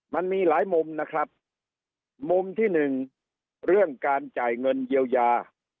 มันมีหลายมุมนะครับมุมที่หนึ่งเรื่องการจ่ายเงินเยียวยา